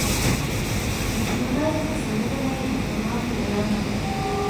د جولای په څلورمه یې د خپلواکۍ اعلان وکړ.